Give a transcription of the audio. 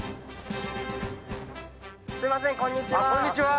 すいませんこんにちは。